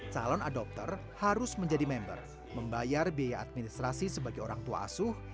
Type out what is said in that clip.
calon adopter harus menjadi member membayar biaya administrasi sebagai orang tua asuh